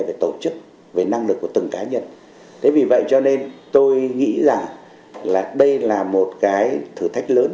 về tổ chức về năng lực của từng cá nhân thế vì vậy cho nên tôi nghĩ rằng là đây là một cái thử thách lớn